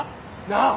なあ？